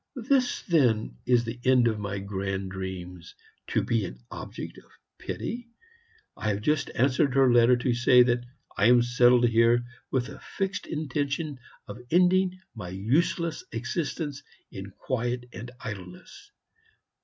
This then, is the end of my grand dreams to be an object of pity? I have just answered her letter to say that I am settled here with the fixed intention of ending my useless existence in quiet and idleness.